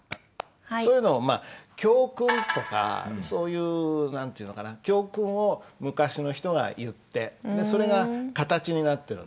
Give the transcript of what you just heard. そういうのをまあ教訓とかそういう何て言うのかな教訓を昔の人が言ってそれが形になってるんですね。